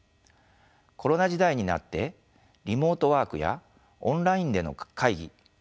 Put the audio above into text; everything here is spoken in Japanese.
コロナ時代になってリモートワークやオンラインでの会議